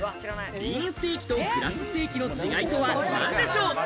リーンステーキとグラスステーキの違いとは何でしょう。